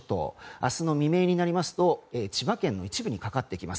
明日の未明になりますと千葉県の一部にかかってきます。